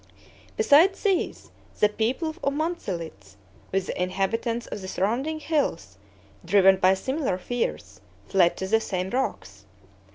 Besides these, the people of Monselice, with the inhabitants of the surrounding hills, driven by similar fears, fled to the same rocks.